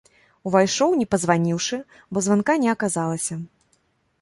Увайшоў не пазваніўшы, бо званка не аказалася.